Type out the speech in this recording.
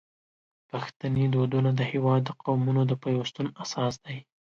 پښتني دودونه د هیواد د قومونو د پیوستون اساس دي.